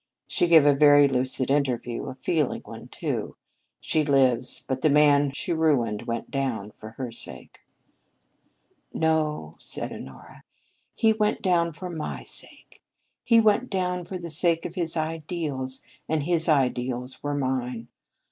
She gave a very lucid interview; a feeling one, too. She lives, but the man she ruined went down, for her sake." "No," said Honora, "he went down for my sake. He went down for the sake of his ideals, and his ideals were mine.